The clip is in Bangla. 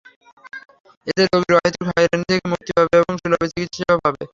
এতে রোগীরা অহেতুক হয়রানি থেকে মুক্তি পাবে এবং সুলভে চিকিৎসাসেবা পাবে।